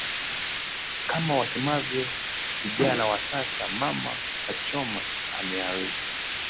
Kama wasemavyo vijana wa sasa “Mama kachoma” ameharibu